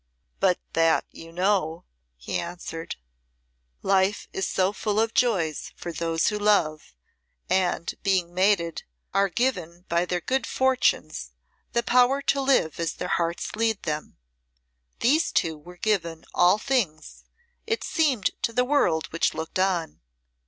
"But that you know," he answered. Life is so full of joys for those who love and, being mated, are given by their good fortunes the power to live as their hearts lead them. These two were given all things, it seemed to the world which looked on.